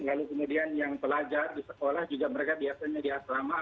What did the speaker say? lalu kemudian yang pelajar di sekolah juga mereka biasanya di asrama